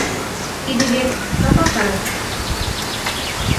Тиде вет — кабак арака.